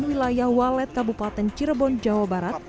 wilayah walet kabupaten cirebon jawa barat